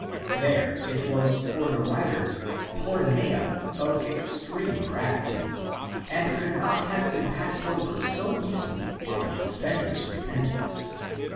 There it was for the writer πορνεία of extreme gravity, and could not have been passed over so easily on the offender's repentance.